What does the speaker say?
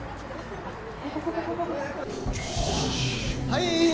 はい！